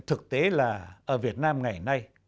thực tế là ở việt nam ngày nay